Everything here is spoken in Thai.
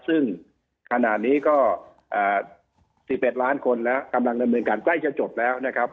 ซึ่งขณะนี้ก็๑๑ล้านคนแล้วกำลังดำเนินการใกล้จะจบแล้วนะครับ